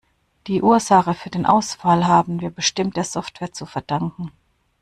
Die Ursache für den Ausfall haben wir bestimmt der Software zu verdanken.